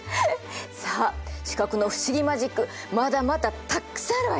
さあ視覚の不思議マジックまだまだたっくさんあるわよ。